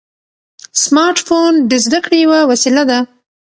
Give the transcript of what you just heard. سمارټ فون د زده کړې یوه وسیله ده.